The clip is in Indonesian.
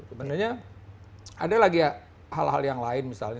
sebenarnya ada lagi hal hal yang lain misalnya